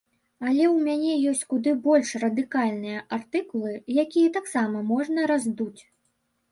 Але ў мяне ёсць куды больш радыкальныя артыкулы, якія таксама можна раздуць.